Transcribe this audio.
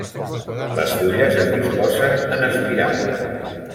Les fulles es disposen en espiral.